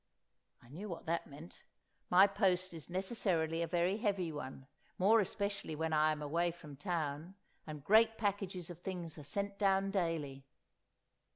I knew what that meant. My post is necessarily a very heavy one, more especially when I am away from town, and great packages of things are sent down daily.